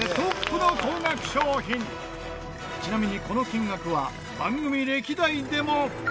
ちなみにこの金額は番組歴代でも。